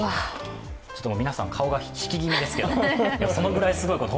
皆さん、顔が引き気味ですけどそのぐらいすごいこと。